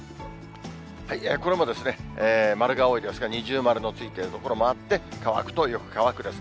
これもですね、丸が多いですが、二重丸のついている所もあって、乾くと、よく乾くです。